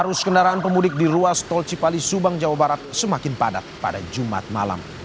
arus kendaraan pemudik di ruas tol cipali subang jawa barat semakin padat pada jumat malam